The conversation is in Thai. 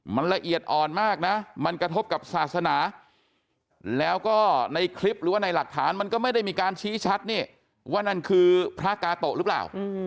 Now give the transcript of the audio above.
มันละเอียดอ่อนมากนะมันกระทบกับศาสนาแล้วก็ในคลิปหรือว่าในหลักฐานมันก็ไม่ได้มีการชี้ชัดนี่ว่านั่นคือพระกาโตะหรือเปล่า